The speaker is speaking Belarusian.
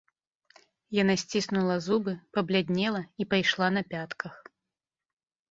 Яна сціснула зубы, пабляднела і пайшла на пятках.